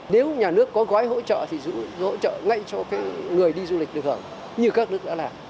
nếu nhà nước có gói hỗ trợ thì hỗ trợ ngay cho người đi du lịch được hưởng như các nước đã làm